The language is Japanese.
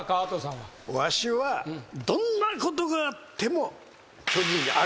わしはどんなことがあっても。